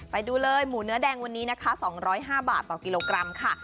ไปดูเลยหมูเนื้อแดงวันนี้นะคะ๒๐๕บาทต่อกิโลกรัมค่ะ